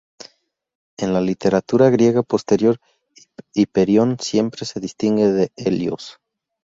En la literatura griega posterior Hiperión siempre se distingue de Helios.